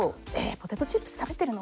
ポテトチップス食べてるの？」